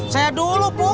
saya dulu pur